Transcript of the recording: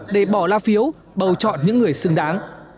để bỏ la phiếu bầu chọn những người xứng đáng